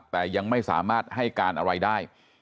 แต่ยังไม่สามารถให้การอะไรได้